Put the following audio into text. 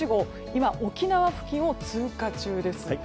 今、沖縄付近を通過中です。